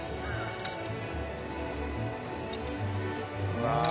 うわ。